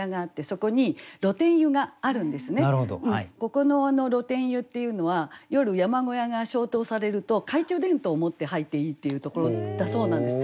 ここの露天湯っていうのは夜山小屋が消灯されると懐中電灯を持って入っていいっていうところだそうなんです。